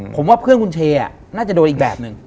ผมว่าเพื่อนคุณเชน่าจะโดนอีกแบบหนึ่ง